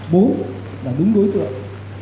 bốn là đúng đối tượng